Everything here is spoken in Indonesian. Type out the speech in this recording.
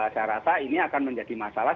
saya rasa ini akan menjadi masalah